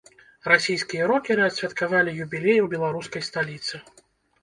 Расійскія рокеры адсвяткавалі юбілей у беларускай сталіцы.